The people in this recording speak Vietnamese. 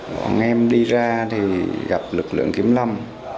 bọn em đi ra thì gặp lực lượng kiểm lâm